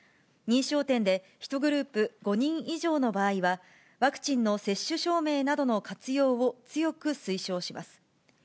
認証店で１グループ５人以上の場合は、ワクチンの接種証明などの活用を強く推奨します。